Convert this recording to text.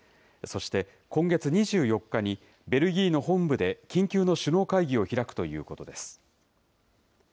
そして、今月２４日に、ベルギーの本部で緊急の首脳会議を開くということです。